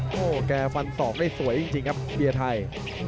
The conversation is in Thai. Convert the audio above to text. โอ้โหแกฟันศอกได้สวยจริงครับเบียร์ไทย